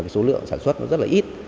số lượng sản xuất nó rất là ít